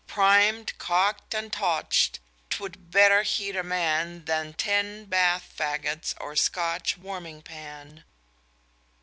Primed, cocked and toucht, 'twould better heat a man Than ten Bath Faggots or Scotch warming pan.